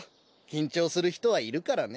きんちょうするひとはいるからね。